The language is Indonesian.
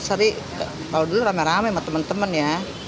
kalau dulu ramai ramai teman teman ya